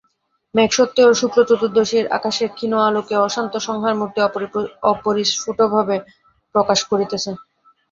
মেঘসত্ত্বেও শুক্লচতুর্দশীর আকাশ ক্ষীণ আলোকে অশান্ত সংহারমূর্তি অপরিস্ফুটভাবে প্রকাশ করিতেছে।